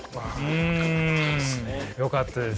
うんよかったです。